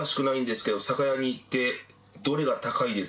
酒屋に行って。